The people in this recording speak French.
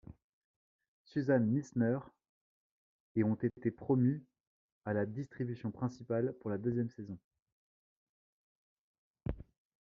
Susan Misner, et ont été promues à la distribution principale pour la deuxième saison.